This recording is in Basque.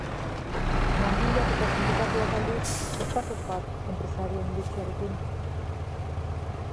Langileak eta sindikatuak, aldiz, ez datoz bat enpresaren iritziarekin.